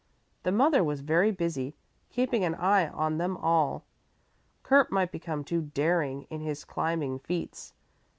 The mother was very busy keeping an eye on them all. Kurt might become too daring in his climbing feats.